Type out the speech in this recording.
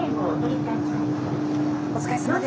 お疲れさまです。